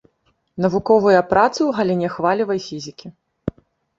Навуковыя працы ў галіне хвалевай фізікі.